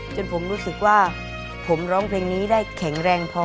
จนผมรู้สึกว่าผมร้องเพลงนี้ได้แข็งแรงพอ